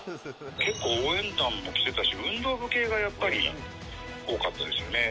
結構、応援団も来てたし、運動部系がやっぱり多かったですよね。